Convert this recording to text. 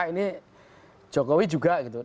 ini jokowi juga gitu